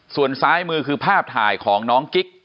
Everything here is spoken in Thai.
ส่วนซ้ายมือคือภาพถ่ายของน้องกิ๊ก